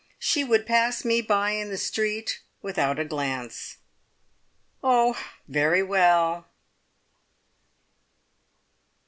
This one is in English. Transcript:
She would pass me by in the street without a glance. Oh, very well!